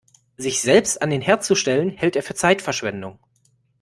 Sich selbst an den Herd zu stellen, hält er für Zeitverschwendung.